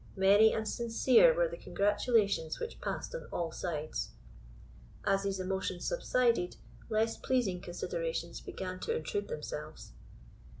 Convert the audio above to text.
Many and sincere were the congratulations which passed on all sides. As these emotions subsided, less pleasing considerations began to intrude themselves.